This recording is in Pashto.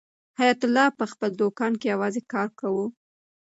حیات الله په خپل دوکان کې یوازې کار کاوه.